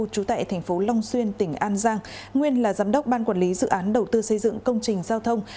trú tại thành phố long xuyên tỉnh an giang nguyên là giám đốc ban quản lý dự án đầu tư xây dựng công trình giao thông